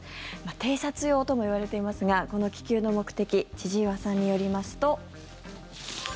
偵察用ともいわれていますがこの気球の目的千々岩さんによりますと。